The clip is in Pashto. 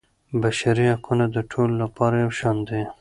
بشري حقونه د ټولو لپاره یو شان دي.